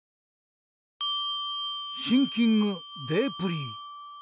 シンキングデープリー。